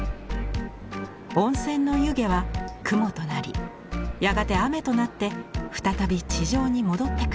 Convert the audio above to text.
温泉の湯気は雲となりやがて雨となって再び地上に戻ってくる。